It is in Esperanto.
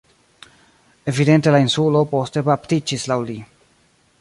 Evidente la insulo poste baptiĝis laŭ li.